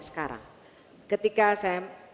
sekarang ketika saya